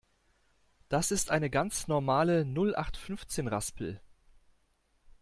Das ist eine ganz normale Nullachtfünfzehn-Raspel.